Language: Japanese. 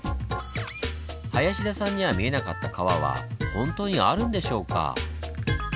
林田さんには見えなかった川は本当にあるんでしょうか。